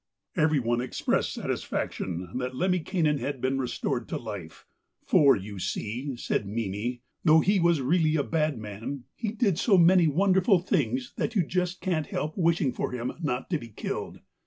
Every one expressed satisfaction that Lemminkainen had been restored to life 'for, you see,' said Mimi, 'though he was really a bad man, he did so many wonderful things that you just can't help wishing for him not to be killed.'